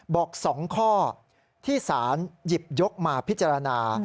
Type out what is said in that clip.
บอก๒ข้อที่สารหยิบยกมาพิจารณา